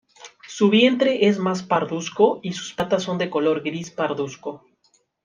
Su vientre es más parduzco y sus patas son de color gris parduzco.